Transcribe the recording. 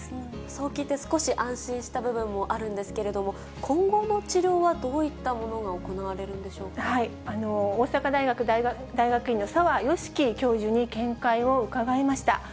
そう聞いて、少し安心した部分もあるんですけれども、今後の治療はどういった大阪大学大学院の澤芳樹教授に見解を伺いました。